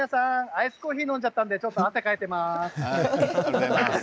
アイスコーヒーを飲んじゃったのでちょっと汗をかいています。